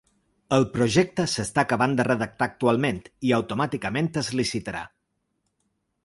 El projecte s’està acabant de redactar actualment i automàticament es licitarà.